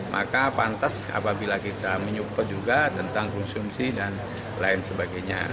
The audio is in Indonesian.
maka pantas apabila kita menyupport juga tentang konsumsi dan lain sebagainya